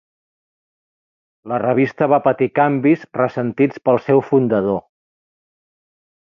La revista va patir canvis ressentits pel seu fundador.